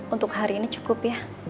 untuk hari ini cukup ya